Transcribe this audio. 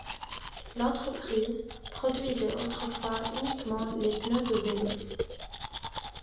L'entreprise produisait autrefois uniquement des pneus de vélo.